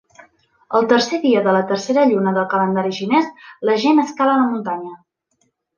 El tercer dia de la tercera lluna del calendari xinès, la gent escala la muntanya.